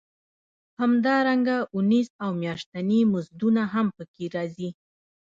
همدارنګه اونیز او میاشتني مزدونه هم پکې راځي